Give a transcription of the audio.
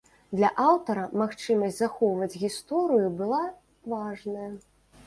Для аўтара магчымасць захоўваць гісторыю была важная.